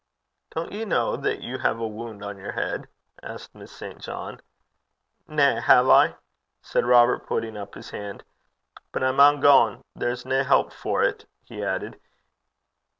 'Don't you know that you have a wound on your head?' asked Miss St. John. 'Na! hev I?' said Robert, putting up his hand. 'But I maun gang there's nae help for 't,' he added.